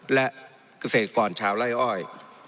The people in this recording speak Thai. และเกษตรกรชาวไล่อ้อย